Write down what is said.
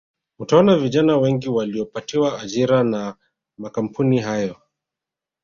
Utaona vijana wengi waliopatiwa ajira na makampuni hayo